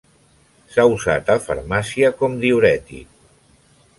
S'ha usat, en farmàcia, com diürètic.